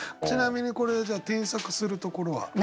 ちなみにこれじゃあ添削するところは？